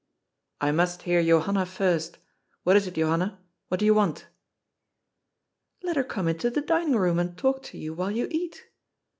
"I must hear Johanna first. — What is it, Johanna? What do you want?" " Let her come into the dining room, and talk to you while you eat."